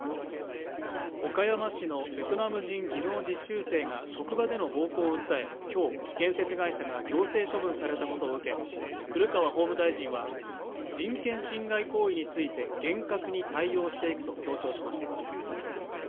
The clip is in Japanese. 岡山市のベトナム人技能実習生が職場での暴行を訴えきょう建設会社が行政処分されたことを受け古川法務大臣は人権侵害行為について厳格に対応していくと強調しました